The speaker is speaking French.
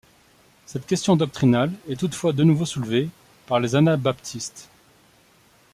Cette question doctrinale est toutefois de nouveau soulevée par les anabaptistes.